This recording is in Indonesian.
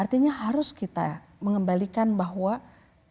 artinya harus kita mengembalikan bahwa